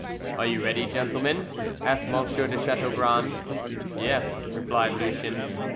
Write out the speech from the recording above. "Are you ready, gentlemen?" asked M. de Chateaugrand. "Yes," replied Lucien.